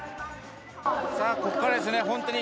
さぁ、ここからですね。